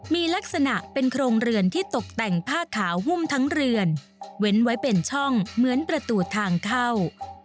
มีลักษณะเป็นโครงเรือนที่ตกแต่งผ้าขาวหุ้มทั้งเรือนเว้นไว้เป็นช่องเหมือนประตูทางเข้า